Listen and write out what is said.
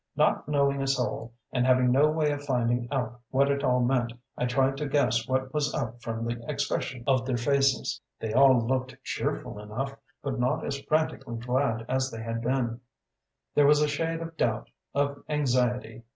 Not knowing a soul, and having no way of finding out what it all meant, I tried to guess what was up from the expression of their faces. They all looked cheerful enough, but not as frantically glad as they had been; there was a shade of doubt, of anxiety.